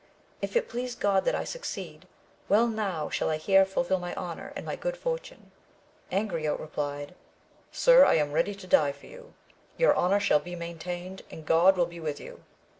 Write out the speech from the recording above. If it please God that I succeed, well now shall I here fulfil my honour, and my good fortune I Angriote replied, Sir, I am ready to die for you ! your honour shall be maintained, and God will be with you.